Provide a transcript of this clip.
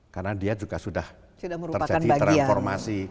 karena dia juga sudah terjadi transformasi